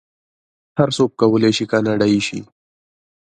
هر څوک کولی شي کاناډایی شي.